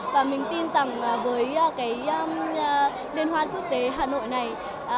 và mình tin rằng với cái liên hoàn phim quốc tế hà nội này